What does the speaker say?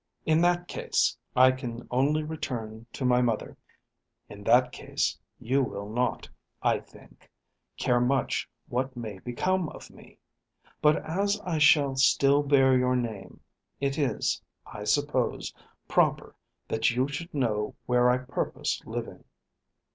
In that case I can only return to my mother. In that case you will not, I think, care much what may become of me; but as I shall still bear your name, it is, I suppose, proper that you should know where I purpose living.